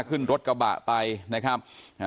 ขึ้นรถกระบะไปนะครับ